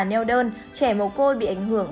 neo đơn trẻ mồ côi bị ảnh hưởng